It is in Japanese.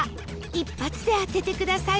一発で当ててください